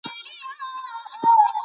آیا چرګې په انګړ کې مښوکه وهله؟